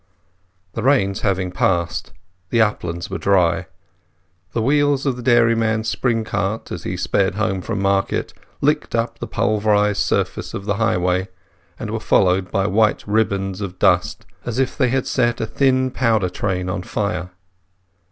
The rains having passed, the uplands were dry. The wheels of the dairyman's spring cart, as he sped home from market, licked up the pulverized surface of the highway, and were followed by white ribands of dust, as if they had set a thin powder train on fire.